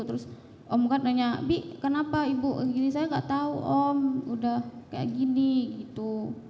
terus om kan nanya bi kenapa ibu gini saya nggak tahu om udah kayak gini gitu